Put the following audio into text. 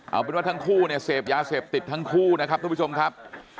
เอาเป็นว่าทั้งคู่เนี่ยเสพยาเสพติดทั้งคู่นะครับทุกผู้ชมครับ